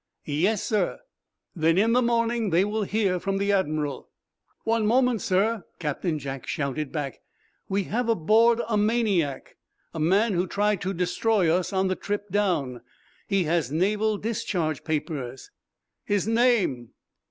"Yes, sir." "Then, in the morning, they will hear from the admiral." "One moment, sir," Captain Jack shouted back. "We have aboard a maniac, a man who tried to destroy us on the trip down. He has naval discharge papers." "His name?"